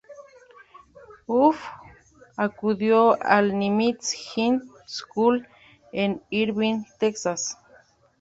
Huff acudió al Nimitz High School en Irving, Texas.